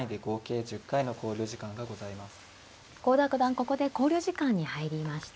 ここで考慮時間に入りました。